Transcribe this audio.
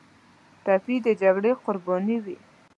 ټپي د جګړې قرباني وي.